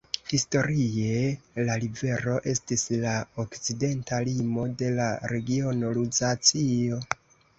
Historie la rivero estis la okcidenta limo de la regiono Luzacio.